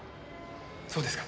そうですか。